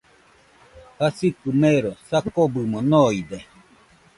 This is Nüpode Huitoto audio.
Jasikɨ mero , sakɨbɨmo noide.